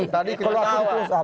kalau aku terus up